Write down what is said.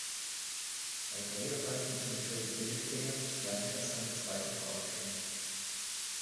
Bei Dreharbeiten zum Film "Blindgänger" lernte er seine zweite Frau kennen.